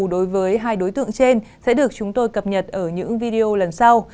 đối với hai đối tượng trên sẽ được chúng tôi cập nhật ở những video lần sau